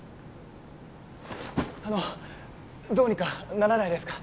あのどうにかならないですか？